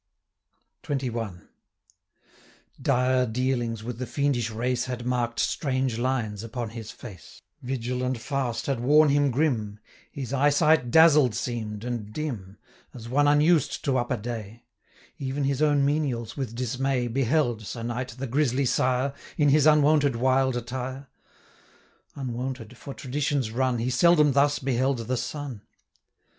375 XXI. 'Dire dealings with the fiendish race Had mark'd strange lines upon his face; Vigil and fast had worn him grim, His eyesight dazzled seem'd and dim, As one unused to upper day; 380 Even his own menials with dismay Beheld, Sir Knight, the grisly Sire, In his unwonted wild attire; Unwonted, for traditions run, He seldom thus beheld the sun.